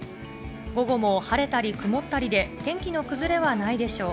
午後も晴れたり曇ったりで天気の崩れはないでしょう。